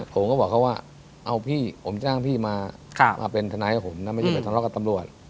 ผมก็บอกเขาว่าเอาพี่ผมจ้างพี่มามาเป็นทนายกับผมนะไม่ใช่ไปทะเลาะกับตำรวจ